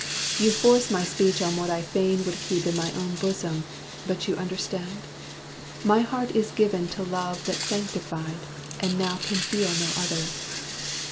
You force my speech on what I fain would keep In my own bosom, but you understand? My heart is given to love that's sanctified, And now can feel no other.